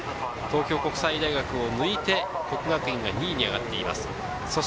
東京国際大学を抜いて國學院が２位に上がっています。